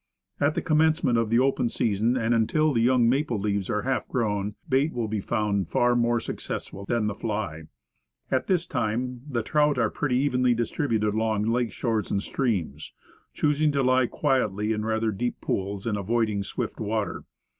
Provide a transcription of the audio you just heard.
At the commencement of the open season, and until the young maple leaves are half grown, bait will be found far more successful than the fly. At this time the trout are pretty evenly distributed along lake shores and streams, choosing to lie quietly in rather deep pools, and avoiding swift water.